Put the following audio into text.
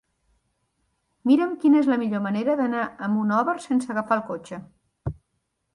Mira'm quina és la millor manera d'anar a Monòver sense agafar el cotxe.